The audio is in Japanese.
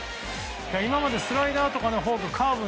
今までスライダーとかフォーク、カーブ